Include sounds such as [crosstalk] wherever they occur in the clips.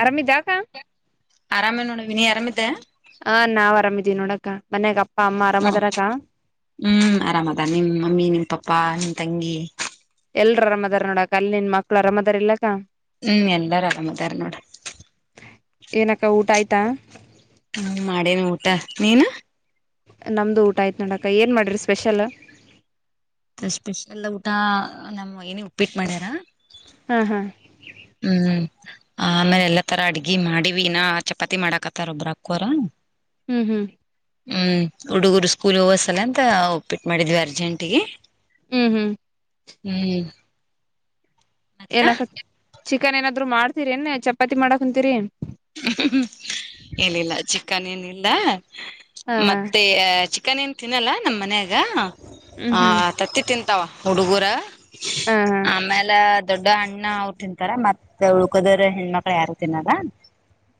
ಆರಾಮ್ ಇದ್ಯಾ ಅಕ್ಕ ವಿನ್ಯಾ ಆರಮಿದ್ದ ಹಾ ನಾವ್ ಆರಾಮಿ ಇಲ್ಲಿ, ನೋಡಕ, ಮನ್ಯಾಗ, ಅಪ್ಪಿದಿಪ್ಪಿ. [inaudible] ಹ, ಹ್ಮ್, ಆರಾಮದ ನಿಮ್ಮ್ ಮಮ್ಮಿ ನಿಮ್ ಪಾಪ್ಪಾ. [inaudible] ತಂಗಿ ಎಲ್ರ ಅರಮದಾರ್ ನೋಡಕ ಅಲ್ಲಿ ನಿನ್ ಮಕ್ಳು ಅರಮದಾರ್ ಇಲ್ಲಕ್ಕ ಹ್ಮ್, ಎಲ್ಲಾರು, ಆರಾಮ್, ಇದ್ದಾರೆ, ನೋಡು. [inaudible] ಏನಕ್ಕ, ಊಟ ಆಯ್ತಾ! [inaudible] ಹ್ಮ, ಮಾಡೇನ, ಊಟ ನೀನು? [inaudible] ನಮ್ದು, ಊಟ ಆಯ್ತು, ನೋಡಕ ಏನ್ ಮಾಡ್ರಿ ಸ್ಪೆಷಲ್? [inaudible] ಸ್ಪೆಷಲ್ ಊಟ ನಮ್ಮ್ ಏನಿ ಉಪ್ಪಿಟ್ಟ ಮಾಡ್ಯಾರ ಹಾ, ಹಾ. [inaudible] ಹ್ಮ್, ಆ ಆಮೇಲೆ, ಎಲ್ಲಾ ತರ ಅಡ್ಗಿ ಮಾಡಿವಿನ ಚಪಾತಿ ಮಾಡಾಕತ್ತಾರೊಬ್ರ, ಅಕ್ಕೋರೂ. ಹ್ಮ್ ಹ್ಮ್ [inaudible] ಹ್ಮ್, ಉಡುಗರು, ಸ್ಕೂಲ್, ವಸ್. [inaudible] ಸಲ, ಅಂತ, ಒಪ್ಪಿಟ್ಟು ಮಾಡಿದ್ವಿ ಅರ್ಜೆಂಟಗೆ. [inaudible] ಹೂ ಹೂ ಹ್ಮ್.. [inaudible] ಮತ್ತ ಏನೂಕತಿ. [inaudible] ಚಿಕನ್, ಏನಾದ್ರು ಮಾಡ್ತೀರಿ! ಏನು, ಚಪಾತಿ ಮಾಡಕ್, ಕುಂತೀರಿ. [inaudible] ಏನಿಲ್ಲ ಚಿಕನ್ ಏನಿಲ್ಲ ಹ ಹ ಮತ್ತೆ ಚಿಕ್ ಅಕ್ಕ, ನೀನ್, ತಿನ್ನಲ್ಲಾ, ನಾಮ್, ಮನೆಯಾಗ. [inaudible] ಹ್ಮ್ ಹಾ, ಹ್ಮ್ ತತ್ತಿ, ತಿಂತಾವ. [inaudible] ಹುಡಗುರ ಹ ಹ ಆಮೇಲ ದೊಡ್ಡ ಅಣ್ಣ ಅವರು [unintelligible] ತಿಂತಾರ ಮತ್ತೆ ಉಳ್ಕೋದರ ಹೆಣ್ಮಕ್ಳು ಯಾರು ತಿನ್ನಲ್ಲ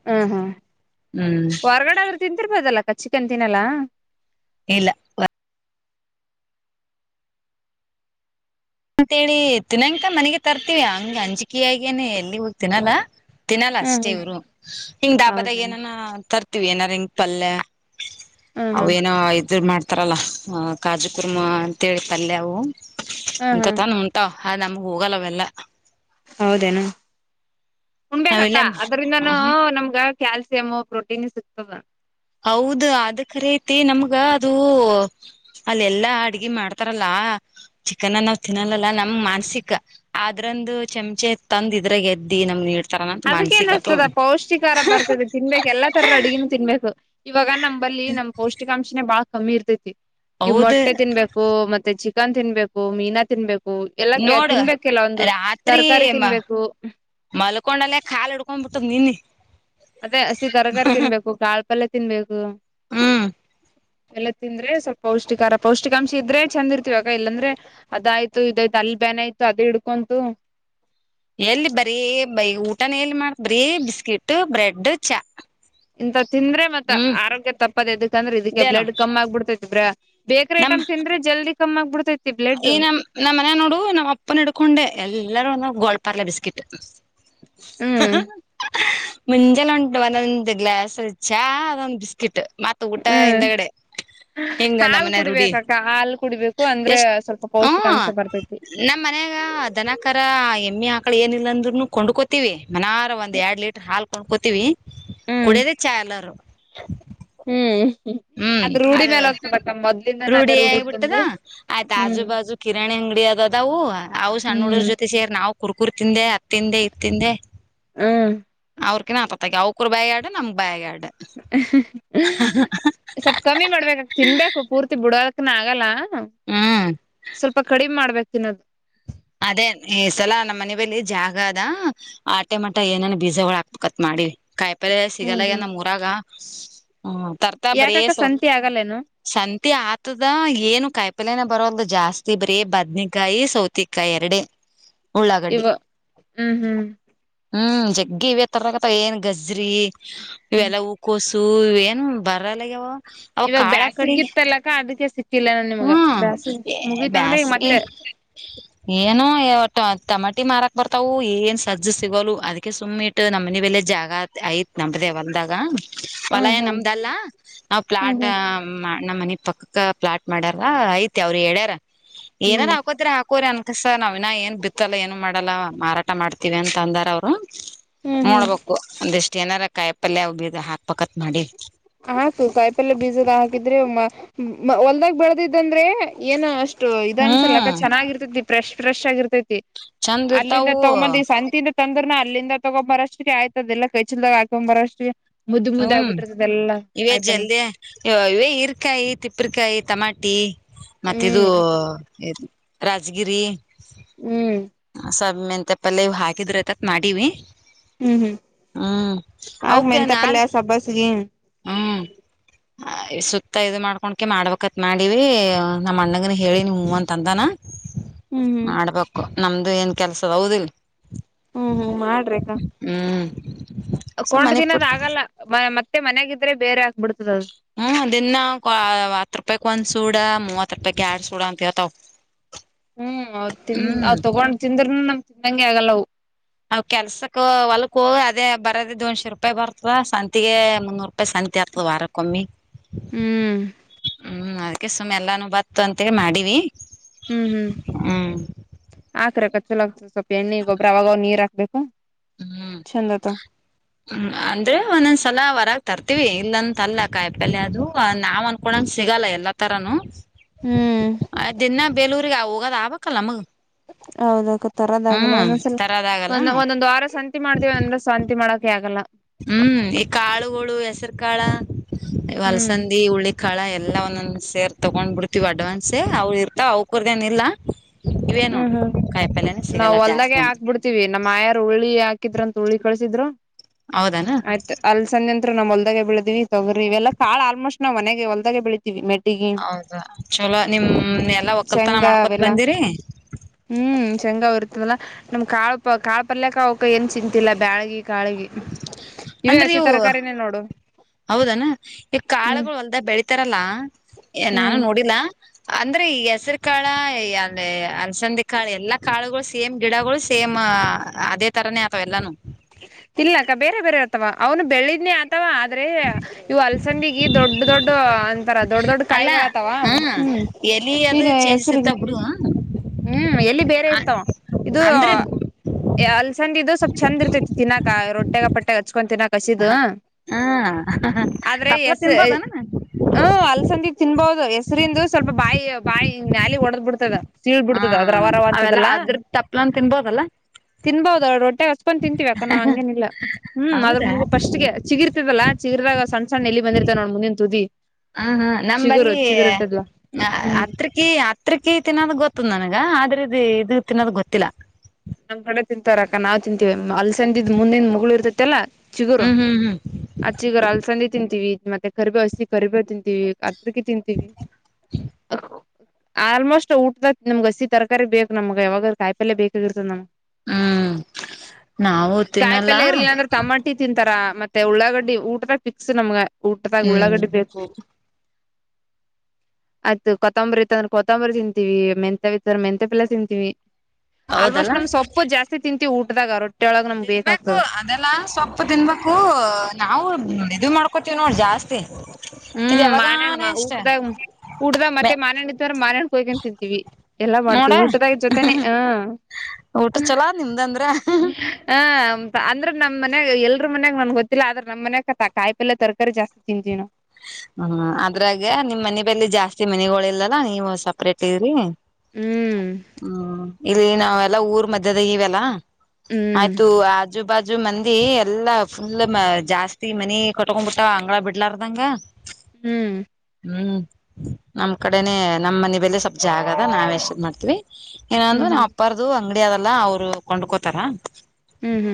ಹೂ ಹೂ ಹ್ಮ್ ಹೊರಗಡೆ ಆದ್ರ [unintelligible] ತಿಂತಿರ್ಬೋದಲ್ ಚಿಕನ್ ತಿನ್ನಲ್ಲಾ. ಇಲ್ಲ ಅಂತೇಳಿ ತಿನಕ ಮನೆಗೆ ತರ್ತೀವಿ ಹಂಗ ಅಂಜಿಕೆಯಾಗೇನೆ ಎಲ್ಲಿ ಹೋಗ್ತಿನಲ್ಲ. ತಿನ್ನಲ್ಲ ಹ್ಮ ಅಷ್ಟೇ ಹ್ಮ ಇವ್ರು ಹಿಂಗ್ ಡಾಬದಾಗ ಹೌದೇನ ಏನನ್ ತರ್. ತಿವಿ ಏನಾರ ಹಿಂಗ ಪಲ್ಯ. ಹ್ಮ್ ಹ್ಮ್ ಅವೇನೋ ಇದ್ ಮಾಡ್ ತರಲ್ಲ ಕಾಜು ಕುರ್ಮ ಅಂತ ಹೇಳಿ ಪಲ್ಯ ಅವು. ಹ್ಮ್ ಹ್ಮ್ ಹಂಕತನ್ ಉಂತವ. ಹ ನಮ್ಗ ಹೋಗಲ್ಲವೆೆಲ್ಲ. ಹೌದೇನ. ಉಣಬೇಕ ಅಕ್ಕ ನಾವೆಲ್ಲ ಅದ್ರಿಂದನು ಹ ನಮ್ಗ. ಕ್ಯಾಲ್ಸಿಯಮ್ ಪ್ರೋಟೀನ್ ಸಿಗ್ತದ. ಹೌದು ಅದ ಖರಿಯತಿ ನಮ್ಗ ಅದು ಅಲ್ಲೆಲ್ಲಾ ಅಡಗಿ ಮಾಡ್ತಾರಲ್ಲ ಚಿಕನ್ ನಾವ್ ತಿನ್ನಲ್ಲಲ್ಲ ನಮ್ ಮಾನಸಿಕ ಆದ್ರಂದು ಚಮಚೆ ತಂದ ಇದ್ರಗ ಎದ್ದ. ಅದ್ಕೇನು ಅತದ ಪೌಷ್ಟಿಕಾರ ಬರ್ತದ ತಿನ್ಬೇಕು ಎಲ್ಲಾ ತರ ಅಡ್ಗಿನೂ ತಿನ್ಬೇಕು. ಇವಾಗ ನಂಬಲ್ಲಿ ನಮ್ಮ್ ಪೌಷ್ಟಿಕಾಶನೇ ಬಾಳ. ಕಮ್ಮಿ ಇರ್ತೈತಿ. ಈವು ಹೌದು ಮೊಟ್ಟೆ ತಿನ್ಬೇಕು ಮತ್ತೆ ಚಿಕ ಚಿಕ್ಕನ್ ತಿನ್ಬೇಕು ಮೀನಾ ತಿನ್ಬೇಕ. ಎಲ್ಲ ನೋಡು ತಿನ್ಬೇಕು ಕೆಲ ಒಂದು ರಾತ್ರಿ ತರಕಾರಿ ತಿನ್ಬೇಕು. ಮಲ್ಕೊಂಡಲ್ಲೇ ಕಾಲು ಹಿಡ್ಕೊಂಡ್ ಬಿಟ್ಟದ ನಿನ್ನಿ. ಅದೇ ಹಸಿ ತರಕಾರಿ ತಿನ್ಬೇಕು ಕಾಳ್. ಪಲ್ಯ ತಿನ್ಬೇಕು. ಹ್ಮ್ ಎಲ್ಲ ತಿಂದ್ರೆ ಸ್ವಲ್ಪ ಪೌಷ್ಟಿಕಾರ ಪೌಷ್ಟಿಕಾಂಶ ಇದ್ರೆ ಚಂದ ಇರ್ತೀವ ಅಕ್ಕ ಇಲ್ಲಾಂದ್ರೆ ಅದಾಯ್ತು ಇದಾಯ್ತು ಅಲ್ಲಿ ಬ್ಯಾನ ಆಯ್ತು ಅದ ಹಿಡ್ಕೊಂತು. ಎಲ್ಲಿ ಬರೀ ಊಟನ ಎಲ್ಲಿ ಮಾಡ್ ಬರೀ ಬಿಸ್ಕಿಟ್ ಬ್ರೆಡ್ ಚಾ. ಇಂತ ತಿಂದ್ರೆ ಮತ್ತ ಹ್ಮ್ ಆರೋಗ್ಯ ತಪ್ಪದ ಎದ ಅಂದ್ರೆ ಇದಕ್ಕೆ ಇದೇ ಬ್ಲಡ್ ನೋಡ್ ಕಮ್ಮ್ ಆಗ್ಬಿಡ್ತೈತಿ. ಇಬ್ರ ಬೇಕ್ರಿ ನಮ್ ಐಟಮ್ ತಿಂದ್ರೆ ಜಲ್ದಿ. ಕಮ್ಮ ಆಗ್ಬಡ್ತತ. ಈ ನಮ್ಮ್ ನಮ್ಮ್ ಮನ್ಯಾಗ ನೋಡು ನಮ್ಮ್ ಅಪ್ಪನ ಹಿಡ್ಕೊಂಡೆ ಎಲ್ಲ. ಎಲ್ಲರೂ ಒನೋನ್ ಗೋಲ್ಡ್ ಪಾರ್ಲೆ ಬಿಸ್ಕಿಟ್. ಹ ಹ್ಮ್ ಹಾ ಹ ಮುಂಜಾನೆ ಒಂಡು ಒಂದೊಂದ್ ಗ್ಲಾಸ್ ಚಾ ಅದೊಂದ್ ಬಿಸ್ಕಿಟ್. ಮತ್ ಊಟ ಹ್ಮ್ ಹಿಂದಗಡೆ ಹಿಂಗ ಹಾಲ್ ನಮ್ಮನೆ ಕುಡಿಬೇಕಕ್ಕ ಹಾಲ್ ಕುಡಿಬೇಕು ಅಂದ್ರೆ. ಸ್ವಲ್ಪ ಹ ಪೌಷ್ಟಿಕಾಂಶ ಬರ್ತೈತಿ ನಮ್ಮ್ ಮನ್ಯಾಗ ದನಕರ ಎಮ್ಮಿ ಆಕ ಆಕಳ ಎನಿಲ್ಲ ಅಂದ್ರೂನು ಕೊಂಡ್ಕೋತೀವಿ. ಮನಾರ ಒಂದ ಎರಡ್ ಲೀಟರ್ ಹಾಲ್. ಕೊಂಡಕೊತಿವಿ. ಹ್ಮ್ ಕುಡ್ಯಾದೆ ಚಾ ಎಲ್ಲರು. ಹ್ಮ್ ಹ್ಮ್ ಅದ್ ರೂಢಿ ಅದ ಮೇಲೆ ಹೋಗ್ತದಕ್ಕ ಮೊದ್ಲಿಂದಾನ ಅದೇ ರೂಢಿಯ ರೂಢಿ ಆಗ್ಬಿಟ್ಟದ ಇತ್ತಂದ್ರೆ ಆಯ್ತ್ ಆಜು ಹ್ಮ್ ಬಾಜು ಕಿರರಣಾಣಿ ಅಂಗಡಿ ಅದವು ಅವು ಸಣ್ಣ ಹುಡ್ರ ಹ್ಮ್ ಜೊತೆ ಸೇರಿ ನಾವು. ಕುರ್ ಕುರರ್ ತಿಂದೆಯ ತಿಂದೆ ಇದ್ ತಿಂದೆ ಹ್ಮ್ ಅವ್ರ. ಇದನೆ ಆಗತೈತಿ ಅವಕುರು ಬಾಯಾಗ ಎರಡು ನಮ್ಮ ಬಾಯಗ ಎರಡು. [unintelligible] ಸ್ವಲ್ಪ್ ಕಮ್ಮಿ ಮಾಡಬೇಕ್ ಅಕ್ಕ ತಿನ್ಬೇಕು ಪೂರ್ತಿ [unintelligible] ನಾಕ್ನಗಲ್ಲ ಹ್ಮ್ ಸ್ವಲ್ಪ ಕಡಿಮೆ ಮಾಡ್ಬೇಕು. ತಿನದು ಅದೇ ಈ ಸಲ ನಮ್ಮ್ ಮನಿ ಬಗಲಗ ಜಾಗ ಅದ ಆಟೆ ಮಟ ಏನೇನ್ ಬೀಜಗಳ ಹಾಕ್ಬೇಕ ಅಂತ ಮಾಡಿವಿ ಕಾಯ್ ಪ್ ಪಲ್ಲೆ ಸಿಗಲ್ಲ ಹ್ಮ್ ಎ ಹ್ಮ್ ನಮ್ ಊರಾಗ. ಹ್ಮ ತರ್ತಾರ ಬರೀ ಯಾಕಕ್ಕ ಸೋಪ್ ಸಂತಿ ಆಗಲ್ಲೇನು ಸಂತೆ ಆತದ ಏನು ಕಾಯಿಪಲ್ಯ ನೇ....... ಬರಲ್ದು ಜಾಸ್ತಿ ಬರಿ ಬದನೆಕಾಯಿ ಸೌತಿಕಾಯಿ. ಕಾಯಿ ಎರಡೇ ಇವ ಹ್ಮ್ ಹ್ಮ್ ಹ್ಮ್ ಜಗ್ಗಿ ಇವೆ ತರಕತ್ತ ಏನ್ ಗಜ್. ಗಜ್ರಿ ಇವೆಲ್ಲ ಹೂ ಕೋಸ್. ತೂ ಇವೆನ್ ಏನು ಬರಲ್ಲ ಆಗ್ಯಾವ. ಇವಾಗ ಬ್ಯಾಸಗಿತ್ತಲಕ್ಕ ಅದಕ್ಕೆ ಸಿಕಿ. ಸಿಕ್ಕಿಲ್ಲ ಎನ್ ನಿಮ್ಗ ಹ್ಮ್ ಬ್ಯಾಸಗಿ ಮುಗೀತನೆ ಈಗ ಮತ್ತೆ. ಏನು ಒಟ್ಟ ತಮಾಟಿ ಮಾರಕ್ ಬರ್ತವು ಏನ್ ಸಜ್ಜು ಸಿಗೆ ಒಲ್ಲದ್ ಅದಕ ಸುಮ್ಮ್ ಇಟೇ ನಮ್ಮ ಮನಿ ಬಲ್ಲಿ ಜಾಗ ಆಯತ್ ನಮ್ದೇ ಹೊಲದಾಗ ಹೊಲ ಹ್ಮ್ ಏನ್ ಹ್ಮ್ ನಮ್ದಲ್ಲ ನಾವ್ ಹ್ಮ್ ಪ್ಲಾಟ್ ಹ್ಮ್ ನಮ್ಮ್ ಮನಿ.... ಪಕ್ಕಕ್ಕ ಪ್ಲಾಟ್ ಮಾಡ್ಯಾರ ಐತಿ ಅವ್ರರು ಹೇಳ್ಯಾರ. ಏನಾರ ಹ್ಮ್ ಹಾಕೊತ್ರೆ ಹಾಕ ಕೋರಿ ಅನ್ಕಸ ನಾವ್ ಇನ್ನ ಏನ್ ಬಿತ್ತಲ್ಲ ಏನು ಮಾಡಲ್ಲ ಮಾರಾಟ ಮಾಡ್ತೀವಿ ಅಂತ ಅಂದಾರ ಅವ್ರು. ಹ್ಮ್ ಹ್ಮ್ ನೋಡ್ಬೇಕು ಅಂದಷ್ಟ. ಎನರ ಕಾಯಿ ಪಲ್ಯ [unintelligible] ಹಾಕ್ಬೇಕತ್ ಮಾಡಿನಿ. ಹಾತು ಕಾಯಿ ಪಲ್ ಬೀಜಲ್ಲ ಹಾಕಿದ್ರೆ ಹೊಲ್ದಾಗ ಬೆಳೆದಿದ್ದಂದ್ರೆ ಏನ ಅಷ್ಟ. ಇದ ಅನ್ಸಲ್ಲಕ್ಕ ಹ್ಮ್ ಚನ್ನಾಗಿ ಇರ್ತೈತಿ ಪ್ರ್ರೆಶ್. ಫ್ರೆಶ್ ಆಗಿರ್ತೈತ. ಚಂದ ಅಲ್ಲಿಂದ ಇರ್ತಾವು ತಗೊಂದಿ ಸಂತಿನ ತಂದ್ರನ. ಅಲ್ಲಿಂದ ತಗೊ್ ಬರಷ್ಟ್ರ ಆಯ್ತದದೆಲ್ಲ ಕೈಚಲ್ದಾಗ ಹಾಕೊ್ ಬರೋಷ್ಟ್ರಿಗೆ. ಮುದ್ ಮುದ ಹ್ಮ್ ಆಗ್ಬಿಟತೈತ್. ಇವೇ ಜಲ್ದಿಯ ಇವೇ ಈರ್ಕಾಯಿ ತಿಪ್ಪ್ರಕಾಯಿ ತಮ್ಮ. ಮಾಟಿ ಮತ್ತ ಇದು ಹ್ಮ್ ರಾಜಗಿರಿ. ಹ್ಮ್ ಮೆಂತೆಪಲ್ಲ ಇವ ಹಾಗಿದ್ರ ಐತತ್ ಮಾಡಿವಿ. ಹ್ಮ್ ಹ್ಮ್ ಹ್ಮ್ ಆಗ ಅವಕೇನಾರ್ ಮೆಂತೆಪಲೆ. ಸಬಸ್ಗಿ. ಹ್ಮ್ ಸುತ್ತ ಇ ಮಾಡ್ಕೊಂಡಕೆ ಮಾಡ್ಬತ್ ಮಾಡೀಿವ ನಮ್ಮ್ ಅಣ್ಣಂಗನ ಹೇಳಿ ನೀ ಹೂ ಅಂತಂದಾನ. ಹ್ಮ್ ಹ್ಮ್ ಮಾಡಬೇಕು. ನಮ್ದು ಏನ್ ಕೆಲ್ಸ ಅದ ಹೌದಿಲ್ಲ. ಹ್ಮ್ ಹ್ಮ್ ಮಾಡ್ರಕ್ಕ ಹ್ಮ್ ಸೊ ಕೊಂಡ ಮನಿ ದಿನದ್ ಪೂರ್ತಿ ಆಗಲ್ಲ ಮ ಮತ್ತೆ ಮನ್ಯಾಗಿದ್ರೆ ಬೇರೆ ಆ. ಹ್ಮ್ ದಿನ್ನ ಕ್ವ ಹತ್ ರೂಪಾಯಕ್ ಒಂದ್ ಸೂಡ ಮೂವತ್ ತಟ ಆಡ್ ಸುಡಾಂತ ಅ ತವ ಹ್ಮ್ ಅವ ತಿಿಂದ ಅವ್ ತಗೊಂಡ್ ತಿಂದ್ರ ತಿನ್ನಂಗಗೆ ಆಗಲ್ಲವು ಅವ ಕೆಲ್ಸಕ್ಕ ಹೊಲಕ ಹೋಗ ಅದೇ ಬರದ ದ ಒಂದು್ ಶರ್ ರೂಪಾಯಿ ಬರ್ತಾ ಸಂತಿಗೆ ಮುನ್ನೂರು ಪ ಸಂತಿ ಆತದ ವರಕೋ ಮ್ಮಿ ಹ್ಮ್ ಹ್ಮ್ ಅ ಕೆ ಸುಮ್ಮನೆ ಎಲ್ಲಾನು ಬತ್ತ ಅಂತೇಳ ಮಾಡಿವಿ ಹ್ಮ್ ಹ್ಮ್ ಹ್ಮ್ ಆ ಕ್ರ ಕಚ್ಚುಲ ಆಗ್ತದೆ ಸ್ವಲ್ಪ ಎಣ್ಣ ಗೊಬ್ಬ್ರ ಆವಾಗ ನೀರು ಹಾಕ್ಬೇಕು ಹ್ಮ್ ಚಂದ ಆತವ ಅಂದ್ರೆ ಒಂದೊಂದ್ಸಲ ವರ ತರ್ತಿೀವಿ ಇಲ್ಲಂತ ಅಲ್ಲ ಕಾಯಪಲ್ ಅದು ನಾವ್ ಅನ್ಕೊಂಗ ಸಿಗಲ್ಲ ಎಲ್ಲಾ ತರನುೂ ಹ್ಮ್ ಅದೆನ್ನ ಬೆಲ ಹೋಗದ ಅಬಕಾಲ್ಲಾ ನಮ್ಗ ಹೌದಾಕೊತರೋದಾಗಲ್ಲ ಒಂದೊಂದ್ಸಲ ತರದಾಗಲ್ಲ ಒಂದ ಒಂದೊಂದು ವಾರ ಸಂತೆ ಸಂತಿ ಮಾಡ್ತೀವಿ ಅಂದ್ರೆ ಸಂತಿ ಮಾಡೋಕ ಆಗಲ್ಲ ಹ್ಮ್ ಈ ಕಾಳುಗಳು ಹೆಸರು ಕಾಳ ಹ್ಮ್ ಅಲಸಂದಿ ಹುಳ್ಳಿಕಾಳ ಎಲ್ಲ ಎಲ್ಲ ಒಂದೊ ಸೇರ್ ತಗೊಂಡ್ ಬಿಡ್ತಿೀವ ಅಡ್ವಾನ್ಸ ಅವ್ಳ ಇರ್ತ ಅವ್ ಕರ್ದೇನ ಇಿಲ್ಲ ಹ್ಮ್ ಹ್ಮ್ ನಾವ್ ಜಾಸ್ತಿ ಹೊಲ್ದಾಗೆ ನಮ್ದು ಹಾಕ್ಬಿಡ್ತೀವಿ ನಮ್ಮ್ ಆಯಾರ್ ಹುರುಳ್ಳಿ ಹಾಕ ಹಾಕಿದ್ರಂತ ಹುಳಿ ಕಳಸಿದ್ರು ಹೌದಾನ ಆಯ್ತು ಅಲ್ಸಂದಿ ನಮ್ ಹೊಲ್ದಾಗ ಬೆಳದಿವಿ ತೊಗರಿ ಇವೆಲ್ಲ ಕಾಳ್ ಆಲ್ಮೋಸ್ಟ್ ನಾವು ಮನೆಗೆ ಹೊಲ್ದಾಗ ಬೆಳಿತೀವಿ ಮೆ ಹೌದಾ ಚಲೋ ನಿಮ್ ಎಲ್ಲಾ ಒಕ್ಕಲ್ತನ ಶೇಂಗಾ ಮಾಡ್ಕೊತ್ ಅವೆಲ್ಲಾ ಬಂದಿರಿ ಹ್ಮ್ ಚಂಗ ಇರ್ತದಲ್ಲ ನಮ್ ಕಾಳ ಪ ಕಾಳ್ ಪರ್ಲಕ್ಕ ಅವಕ ಏನ್ ಚಿಂತತಿಲ್ಲಾ ಬ್ಯಾಳಗ ಕಾಳಗಿ ಇವ ಹಸಿ ತರಕಾರಿನೇ ನೋಡು ಹೌದನಾ ಈಗ ಹ್ಮ್ ಕಾಳುಗಳು ಹೊಲ್ದ ಬೆಳಿತಾರಲ್ಲಾ ನಾನು ಹ್ಮ್ ನೋಡಿಲ್ಲ ಅಂದ್ರೆ ಈ ಹೆಸರು ಕಾಳ ಅಂದೆ ಅರಸಂದೆ ಕಾಳ ಎಲ್ಲಾ ಕಾಳುಗಳು ಸೇಮ್ ಗಿಡಗಳು ಸೇಮ್ ಅದೇ ತರಾನೇ ಆತಾವ ಎಲ್ಲಾನು. ಇಲ್ಲ ಅಕ್ಕ ಬೇರೆ ಬೇರೆ ಇರ್ತವ ಅವನು ಬೆಳಿದನನೆ ಆ ವ ಆದ್ರೆ ಇವು ಅಲಸಂದಿಗೆ ದೊಡ್ ದೊಡ್ಡ ಅಂತರ ದೊಡ್ ದೊಡ್ ಅಲ್ಲ ಕಾಯಿಗಳತವ ಹ್ಮ ಎಲಿ ಅದು ಈಗ ಹೆಸ ಚೇಂಜಸ್ ಇರ್ತಾವ ಬಿಡು ಹ್ಮ್ ಎಲ್ಲಿ ಬೇರೆ ಇರ್ತಾವ ಇದು ಅಂದ್ರೆ ಅಲಸಂದಿ ಸ್ವಲ್ಪ ಚಂದ ಇರ್ತತಿ ಇಕ ರೊಟ್ಟೆಗ ಪಟ್ಟೆ ಹಚ್ಕೊಂತಿನ ಹಸಿದು ಹ ಆದ್ರೆ ತಪ್ಲ ಹೆಸ್ ತಿನ್ಬೋದನ ಹ ಅಲ್ಸಂದಿ ತಿನ್ಬಹದು ಹೆಸರಿಂದು ಸ್ವಲ್ಪ ಬಾಯಿ ಬಾಯಿ ನಿಮ್ಮ ನಾಲಿಗ ಒಡದ್ ಬಿಡ್ತದ ಸೀಳ್ ಹ ಬಿಡ್ತದ ಅದ ರವ ರವ ಅವೆಲ್ಲ ಅಂತದಲ್ಲ ಅದ್ರ ತಪ್ಲನ್ ತಿನ್ಬೋದಲ್ಲ ತಿನ್ಬಹದು ರೊಟ್ಟೆ ಹಚ್ಬಂದ ತಿಂತಿವಿ ನಾವ್ ಹಂಗೇನಿಲ್ಲ ಹ್ಮ್ ಅದ್ರ ಹೌದಾ ಮೂಗು ಫಸ್ಟ್ಗೆ ಚೀಗಿರ್ತದಲ್ಲಾ ಚಿಗಿರ್ದಾಗ ಸಣ್ಣಣ್ಣ ಎಲ್ಲಿ ಬಂದಿತವ ನೋಡ ಮುಂದಿನ ತುದಿ ಹ ಹಾ ಚಿಗುರು ನಮಂಬಲ್ಲಿ ಚಿಗುರು ಇರ್ತದಲಾ ಹ್ಮ್ ಹಕ್ಕರಕಿ ಹಕ್ಕರಕ್ಕಿ ತಿನ್ನದು ಗೊತ್ತುದ್ ನನಗ ಆದ್ರೆದು ತಿನ್ನೋದು ಗೊತ್ತಿಲ್ಲ ನಮ್ ಕಡೆ ತಿಂತಾರಕ್ಕ ನಾವು ತಿಂತೀವಿ ಅ ಸಂದ್ ಮುಂದಿನ ಮಗಳೂರ್ದ ಚಲ ಚಿಗುರು ಹ್ಮ್ ಹ್ಮ್ ಹ್ಮ್ ಆ ಚಿಗುರು ಅಲ್ಸಂದಿ ತಿಂತೀವಿ ಮತ್ತೆ ಕರಿಬೇ ಹಸಿ ಕರಿಬೇ ತಿಂತೀವಿ ಅದಕ ತಿಂತೀವಿ ಆಲ್ಮೋಸ್ಟ್ ಊಟದ ನಮ್ಗ್ ಹಸಿ ತರಕಾರಿ ಬೇಕ್ ನಮಗ ಯಾವಾಗ ಕಾಯಿ ಪಲ್ಯ ಬೇಕಾಗಿರ ನ ಹ್ಮ್ ನಾವು ತಿನ್ನಲ್ಲ ಕಾಯಿಪಲ್ಲ ಇರ್ಲ ಅಂದ್ರೆ ತಮಾಟಿ ತಿಂತಾರಾ ಮತ್ತೆ ಉಳ್ಳಾಗಡ್ಡಿ ಊಟರ ಪಿಕ್ಸ್ ನಮ್ಗ ಊಟದಾಗ ಹ್ಮ್ ಉಳ್ಳಗಡಿಬೇಸಬೇಕ್ ಆಯ್ತು ಕೊತ್ತಂಬರಿ ಇತ್ತ ಅಂದ್ರೆ ಕೊತ್ತಂಬರಿ ತಿಂತೀವಿ ಮೆಂತ ಇಂದ್ರೆ ಮೆಂತಪಲ್ಲೆ ತಿಂತೀವಿ ಆಲ್ಮೋಸ್ಟ್ ಹೌದಲ್ಲ ನಮ್ ಸೊಪ ಜಾಸ್ತಿ ತಿಂತತಿ [unintelligible] ತಿನ್ಬೇಕು ಅದೆಲ್ಲ ಸೊಪ್ಪ ತಿನ್ಬೇಕು ನಾವು ಇದು ಮಾಡ್ಕೋತೀವಿ ನೋಡ ಜಾಸ್ತಿ [unintelligible] ಹೂ ಇದ್ ಯಾವಾಗಾನ ಮಾನಣ್ಣ ಹೂ ಇಷ್ಟೇ ಊಟದ ಊಟದ ಮತ್ತೆ ಮಾನಣ್ಣ ಇತ್ತ ಆನ್ಡೂರ್ ಮಾನಣ ಕೊಯ್ಕೊಂಡ ತಿಂತೀವಿ ಎಲ್ಲಾ ನೋಡ ಮಾಡ್ತೀವಿ ಊಟದಾಗ ಜೊತೆನೆ ಹ ಊಟ ಚಲೋ ನಿಮ್ದಂದ್ರ ಹ್ಮ ಹ ಅಂದ್ರೆ ನಮ್ಮ ಮನೆಗ್ ಎಲ್ರ ಮನ್ಗ ನನ್ ಗೊತ್ತಿಲ್ಲ ಆದ್ರ ನಮ್ಮನ್ಯಾಗ ಕಾಯಿ ಪಲ್ಯ ತರ ಕಾರಿ ಜಾಸ್ತಿ ತಿಂತೀನ ಹೂ ಅದ್ರಾಗ ನಿಮ್ ಮನೆ ಬಲಿ ಜಾಸ್ತಿ ಮನಿಗೋಳ ಇಲ್ಲಲ್ಲ ನೀವು ಸಪ್ರೇಟ್ ಇದ್ರರಿ ಹೂ ಇಲ್ಲಿ ನಾವೆಲ್ಲಾ ಊರ್ ಮಧ್ಯದಾಗ ಇವೆಲ್ಲಾ ಹ್ಮ್ ಆಯ್ತು ಆಜುಬಾಜು ಬಾಜು ಮಂದಿ ಎಲ್ಲಾ ಫುಲ್ ಜಾಸ್ತಿ ಮನಿ ಕಟ್ಕೊಂಡ್ ಬಿಟ್ಟಾವ ಅಂಗ್ಗಳ ಬಿಡ್ಲಾರದಂಗ ಹೂ ಹು ನಮ್ ಕಡೆನೆ ನಮ್ಮ್ ಮನೆ ಬಲೆ ಸ್ವಲ್ಪ ಜಾಗ ಅದಾ ನಾವ ಎಷ್ಟ್ ಮಾಡ್ತೀವಿ ಹ್ಮ್ ಇನ್ನೊಂದು ನಾ ಹ್ಮ್ ಅಪ್ಪಾರ್ದು ಅಂಗ್ಡಿ ಅದಲ್ಲ ಅವ್ರು ಕೊಂಡ್ಕೋತಾರ ಹೂ ಹೂ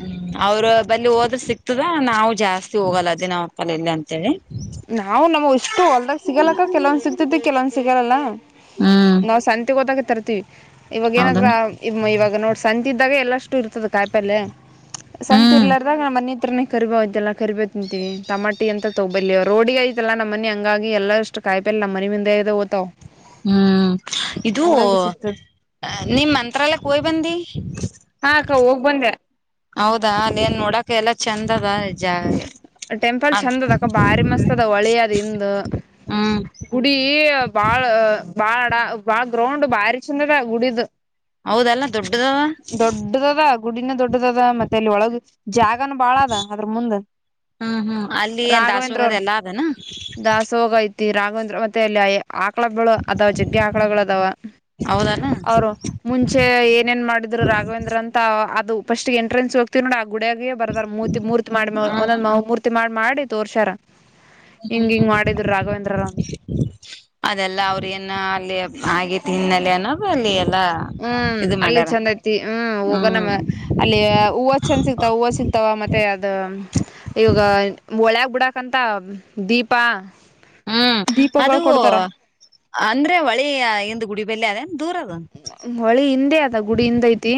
ಹ್ಮ್ ಅವ್ರ ಬಲ್ಲಿ ಹೋದ್ರ ಸಿಕ್ತದ ನಾವು ಜಾಸ್ತಿ ಹೋಗಲ್ಲ ಅದೇ ನಾವ್ ಅಲ್ಲಿ ಇಲ್ಲಿ ಅಂತ ಹೇಳಿ. ನಾವು ನಮ್ ಇಷ್ಟು ಹೊಲ್ದಾಗ ಸಿಗಲ್ಲ ಅಕ್ಕ ಕೆಲವೊಂದ್ ಸಿಗ್ತತಿ ಕೆಲವೊಂದ್ ಸಿಗಲ್ಲ ಲಾ ಹ್ಮ್ ನಾವ ಸಂತಿ ಹೊದಾಗಿದ್ ತರತ್ತಿವಿ ಇವಾಗ ಏನಾದ್ರ ಹೌದನ್ ಇವಾಗ ನೋಡ್ ಸಂಜ ಇದ್ದಾಗ ಎಲ್ಲಷ್ಟು ಇರ್ತದ ಕಾಯಿಪಲ್ಲೆ ಸಂತಿ ಹ್ಮ್ ಇರ್ಲಾರದಾಗ ನಮ್ಮ ಮನಿ. ಹತ್ರೇನೆ ಕರಿಬೇವು ಇದಲ್ಲ ಕರಿಬೇವ್ ತಿಂತೀವಿ ಟಮಟೆ ಎಂತ ತೋಗೋಬಲ ರೋಡಿಗೆ ಆಯ್ತಲ್ಲ ನಮ್ಮನಿ ಹಂಗಾಗಿ ಎಲ್ಲ ಅಷ್ಟು ಕಾಯಿಪಲ್ಲೆ ನಮ್ಮ ಮನಿ ಮುಂದಿದೆ ಹೋಯ್ತವ ಹೂ ಇದು ಸಿಗ್ತದ ನಿ ಮಂತ್ರಾಲಯಕ್ಕೆ ಹೋಗ ಬಂದಿ ಹಾ ಅಕ್ಕ ಹೋಗ್ ಬಂದೆ ಹೌದಾ ಅಲೆನ್ ನೋಡಕ ಎಲ್ಲ ಚಂದ ಅದಾ ಜಾಗ. ಟೆಂಪಲ್ ಚಂದ ಅದ ಅಕ್ಕ ಬಾರಿ ಮಸ್ತ್ ಅದ ಹೊಳಿ ಅದ್ ಹಿಂದ ಹ್ಮ್ ಗುಡಿ ಬಾಳ ಬಾಳಡ ಬಾಳ ಗ್ರೌಂಡ್ ಭಾರಿ ಚಂದದ ಗುಡಿದ ಹೌದಲ್ಲ ದೊಡ್ಡದಾವ ಗೂಡಿನ ದ ಮತ್ತೆ ಅಲ್ಲಿ ಒಳಗ ಜಾಗನ ಬಾಳ ಅದ ಅದ್ರ ಮುಂದ ಹ್ಮ್ ಹ್ಮ್ ಅಲ್ಲಿ ಏನ್ ರಾಘವೇಂದ್ರ ದಾಸೋಗದ ಅವ್ರ ಎಲ್ಲಾ ಅದನ ದಾಸೋಗ ರಾಘವೇಂದ್ರ ಮತ್ತೆ ಅಲ್ಲಿ ಆಕಳ ಬಳ ಅದಾವ ಜಗ್ಗೆ ಆಕಳಗಳು ಅದಾವ ಹೌದಲ್ಲ ಅವರು ಮುಂಚೆ ಏನೇನ್ ಮಾಡಿದ ರಾಘವೇಂದ್ರ ಅಂತ ಅದು ಫಸ್ಟ್ ಗೆ ಎಂಟ್ರನ್ಸ್ ಹ್ತವಿ ನೋ ಗುಡಿಯಾಗೇ ಬರ್ದಾರ ಮೂರ್ತಿ ಮೂರ್ತಿ ಮಾಡಿ ಹ್ಮ್ ಒಂದೊಂದು ಮೂರ್ತಿ ಮಾಡ ಮಾಡಿ ತೋರ್ಷಾರ ಹೂ ಹೂ ಅದೆಲ್ಲ ಅವ್ರ ಏನ ಅಲ್ಲಿ ಆಗಿ ತಿನ್ನಲನ ಬಲ್ಯಾ ಹ್ಮ್ ಅಲ್ಲಿ ಚಂದ ಐತಿ ಹ್ಮ್ ಹೋಗನ ಹ್ಮ್ ಮ್ಮ ಅಲ್ಲಿ ಹೂವು ಚಂದ ಸಿಕ್ತಾವ ಹೂವ ಸಿಕ್ತಾವ ಮತ್ತೆ ಅದ ಇವಾಗ ಒಳ ಬಿಡಕಂತ ದೀಪ ಹ್ಮ್ ದೀಪಗಳು ಅದು ಕೊಡ್ತಾರ ಅಂದ್ರೆ ಹೊಳಿ ಇಂದ ಗುಡಿ ಬಲ್ಲಿ ಅದೆನ್ ಹೊಳಿ ಹಿಂದೆ ಅದ ಗುಡಿ ಹಿಂದ ಐತಿ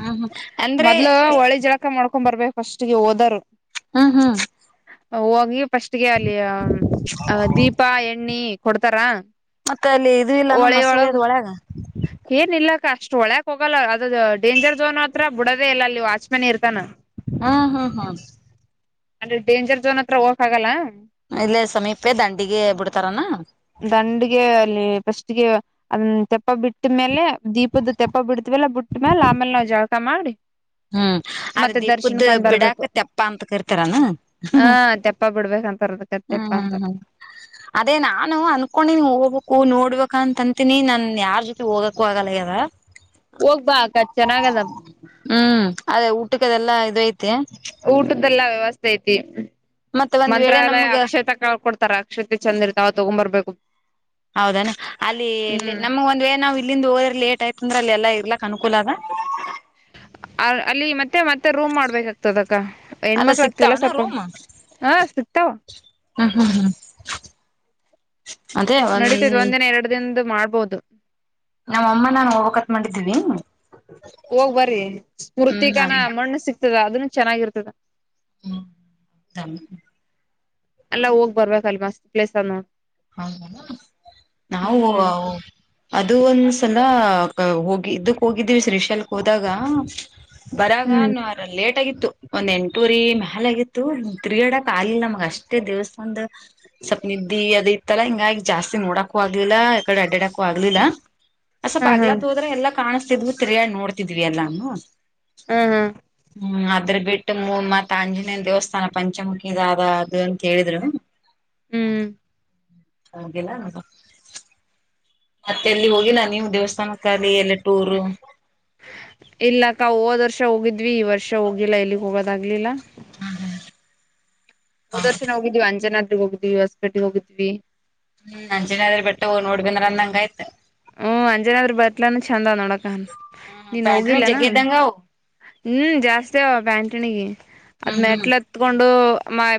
ಹ್ಮ್ ಹ್ಮ್ ಅಂದ್ರೆ ಮೊದ್ಲು ಹೊಳಿ ಜಳಕ ಮಾಡಕ ಕೊಬರ್ಬೇಕು ಫಸ್ಟ್ಗೆ ಹೋದರ್ ಹ್ಮ್ ಹ್ಮ್ ಹವುಾಗಿ ಫಸ್ಟ್ಗೆ ಅಲ್ಲಿ ದೀಪ ಎಣ್ಣಿ ಕೊಡ್ತಾರಾ ಮತ್ತೆ ಅಲ್ಲಿ ಇ ಇಲ್ಲಾನ ಮಸುಳಿಯದ್ ಹೋಳ್ಯಗ ಅಷ್ಟು ಒಳಯಕ್ ಹೋಗಲ್ಲ ಅದು ಡೇಂಜರ್ ಝೋನ್ ಹತ್ರ ಬಿಡದೆೇ ಇಲ್ಲ ಅಲ್ಲಿ ವಾಚ್ಮೆನ್ ಇರ್ತಾನ ಹ್ಮ್ಮ ಹ್ಮ್ಮ್ ಹ್ಮ್ಮ್ ಅಂದ್ರೆ ಡೇಂಜರ್ ಝೋನ್ ಹತ್ರ ಹೋಗಕಾಗಲ್ಲ ಇಲ್ಲೇ ಸಮೀಪೆ ದಂಡಿಗೆ ಬಿಡ್ತಾರನ ದಂಡಗೆ ಅಲ್ಲಿ ಫಸ್ಟ್ಗೆ ಅದ್ ತೆಪ್ಪ ಬಿಟ್ಟ್ಮೇಲೆ ದೀಪದ ತೆಪ್ಪ ಬಿಡತ್ವೆಲ್ಲ ಬಿಟ್ಟ್ಮ್ಯಾಲ ಆಮೇಲೆ ನಾವ್ ಜಳಕ ಮಾಡಿ ಹ್ಮ್ ಅದೇ ಮತ್ತೆ ದೀಪದ ದರ್ಶನ್ಕಂದ ಬಿಡಾಕ ಬರ್ಬೇಕು ತೆಪ್ಪ ಅಂತ ಕರಿತಾರಾನ ಹ ಹ್ಮ್ ತೆಪ್ಪ ಬಿಡ್ಬೇಕಂತಾರ ಹ್ಮ್ ತೆಪ್ಪ ಅಂತ ಹ್ಮ್ ಅದೇನಾ ವು ಅನ್ಕೊಂಡಿ ನೀ ಹೋಗ್ಬೇಕು ನೋಡ್ಬೇಕ ಅಂತ ಅಂತೀನಿ ನನ್ ಯಾರ್ ಜೊತೆ ಹೋಗಕು ಆಗಲ್ಲ ಯದ ಹೋಗ್ಬಾಕ ಚೆನ್ನಾಗದ ಹ್ಮ್ ಅದೇ ಊಟಕ್ಕೆದೆಲ್ಲ ಇದು ಐತಿ ಊಟದ್ದೆಲ್ಲಾ ವ್ಯವಸ್ಥೆ ಐತಿ ಮಂತ್ರಾಲಯ ಅಕ್ಷತ ಕ ಕೊಡ್ತಾರೆ ಅಕ್ಷತೆ ಚಂದ ಇರ್ತಾವ ತ ತೊಗೊಬರ್ಬೇಕು ಹೌದಾನ ಅಲ್ಲಿ ನಮ್ಗ್ ಒಂದ್ ವೇಳೆ ನಾವ್ ಇಲ್ಲಿಂದ ಹೋದ್ರ ಲೇಟ್ ಆಯ್ತಂದ್ರ ಎಲ್ಲಾ ಇರ್ಲಕ್ ಅನುಕೂಲ ಅದ ಆ ಅಲ್ಲಿ ಮತ್ ಮತ್ತೆ ಮತ್ತೆ ರೂಮ್ ಮಾಡ್ಬೇಕಾಗ್ತದಕ್ಕ ಅಲ್ಲ ಹೆಣ್ಮಕ್ಳಾಗ್ತವಲ್ಲ ಸಿಕ್ತಾವನ ಸ್ವಲ್ಪ ರೂಮ್ ಹ ಸಿಕ್ತಾವ ಹ್ಮ್ ಹ್ಮ್ ಹ್ಮ್ ಅದೇ ಒಂದ್ ನಡೀತೈತ್ ಒಂದಿನ ಎರಡು ದಿನದ ಮಾಡ್ಬೋದು ನಮ್ಮಮ್ಮ ನಾನ್ ಹೋಗ್ಬೇಕಂತ್ ಮಾಡಿದೀವಿ ಹೋಗ್ ಬರ್ರಿ ಹ್ಮ್ ಸ್ಮೃತಿಕಾನ ನಾನು ಮಣ್ಣ್ ಸಿಕ್ ತದ ಅದನ್ನು ಚೆನ್ನಾಗಿರ್ತದ ಅಲ್ಲ ಹೋಗ್ಬರ್ಬೇಕಲ್ವಾ ಪ್ಲೇಸ್ ಅ ನೋಡ್ ಹೌದಾ ನಾವು ಹ್ಮ್ ಅದು ಒಂದ್ ದಿಂದ ಹೋಗಿ ಇದ್ದಕ್ ಹೋಗಿದ್ದೀವಿ ಶ್ರೀಶೈಲಕ್ ಹೋದಾಗ ಹ್ಮ್ ಬರಾಗರ ಲೇಟ್ ಆಗಿತ್ತು ಒಂದ್ ಎಂಟೂರಿ ಕಾಲ್ಯಗಿತ್ತು ತಿರಿಗ್ಯಾಡಕ್ ಕಾಲಿಲ್ಲ ನಮಗ ಅಷ್ಟೇ ದೇವಸ್ಥಾನದಗ ಸಪ್ ನಿದ್ದಿ ಅದೇ ಲ್ಲಾ ಹಿಂಗಾಗಿ ಜಾಸ್ತಿ ನೋಡಾಕೂ ಆಗ್ಲಿಲ್ಲ ಆ ಕಡೆ ಅಡ್ಡಾಡಕೂ ಆಗ್ಲಿಲ್ಲ ಅದ್ ಸಪ್ಪ ಹಾ ಹಾ ಅಗ್ಲಾ ತೋದ್ರ ಎಲ್ಲ ಕಾಣಿಸ್ತಿದ್ವಿ ಸರಿಯಾಗ್ ನೋಡ್ತಿದ್ವಿ ಎಲ್ಲನೂ ಹ್ಮ್ ಹ್ಮ್ ಹ್ಮ್ ಅದ್ರ ಬಿಟ್ಟು ಮೂಮ್ಮತ್ ಆಂಜನೇಯನ ದೇವಸ್ಥಾನ ಪಂಚಮುಖಿ ಇದಾದ ಅದು ಅಂತ ಹೇಳಿದ್ರು ಹ್ಮ್ ಹೋಗಿಲ್ಲ ಮತ್ತೆ ಎಲ್ಲಿ ಹೋಗಿಲ್ಲ ನೀವು ದೇವಸ್ ಸ್ಥಾನಕಾಗ್ಲಿ ಎಲ್ಲ ಟೂರು ನಾವ್ ಹೋದ್ ವರ್ಷ ಹೋಗಿದ್ವಿ ಈ ವರ್ಷ ಹೋಗಿಲ್ಲ ಎಲ್ಲಿಗೆ ಹೋಗೋದಾಗ್ಲಿಲ್ಲ ಹ್ಮ್ ಹ್ಮ್ ಹೋದ್ ವರ್ಷ ನೇ ಹೋಗಿದ್ವಿ ಅಂಜನಾ ದ್ರಿ ಹೋಗಿದೀವಿ ಹೊಸಪೇಟೆಗೆ ಹೋಗಿದ್ವಿ ಹ್ಮ್ ಅಂಜನಾದ್ರಿ ಬೆಟ್ಟ ಹೋಗ ನೋಡ್ಬಂದ್ರ ಅಂದ ಹಂಗಾಯ್ತ ಹ್ಮ್ ಅಂಜನಾದ್ರ್ ಬೆತ್ಲಾನು ಚಂದ ನೋಡ್ ಹ್ಮ್ ನೀನ್ ಪ್ಯಾಂಟುನು ಹೋಗಿಲ್ಲೇನ ಜಗ್ಗಿ ಇದ್ದಂಗ ಅವು ಹ್ಮ ಜಾಸ್ತಿ ಅವ ಬ್ಯಾಂಕ್ ಟಣಿಗೆ ಅದ್ ಹ್ಮ್ ಹ್ಮ್. ಮೆಟ್ಲ್ ಹತ್ಕೊಂಡು ಅಮ್ಮ ಆಯ್ತ್